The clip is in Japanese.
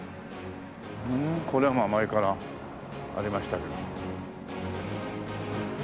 これはまあ前からありましたけど。